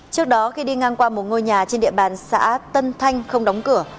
trước đó khi đi ngang qua một ngôi nhà trên địa bàn xã tân thanh không đóng cửa